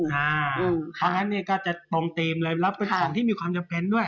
เพราะฉะนั้นก็จะตรงเตรียมเลยแล้วเป็นกองที่มีความอย่าเพ้นด้วย